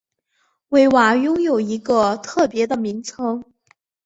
威瓦拥有一个特别的名称。